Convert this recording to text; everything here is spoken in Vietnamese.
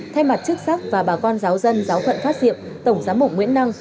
thay mặt chức sắc và bà con giáo dân giáo phận phát diệp tổng giám mục nguyễn năng